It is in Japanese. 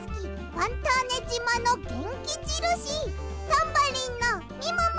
ファンターネじまのげんきじるしタンバリンのみもも！